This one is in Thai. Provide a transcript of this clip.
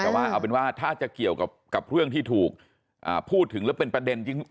แต่ว่าเอาเป็นว่าถ้าจะเกี่ยวกับเรื่องที่ถูกพูดถึงแล้วเป็นประเด็นจริง